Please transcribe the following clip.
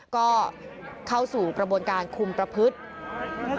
ก็เข้าสู่กระบวนการคุมประพฤติ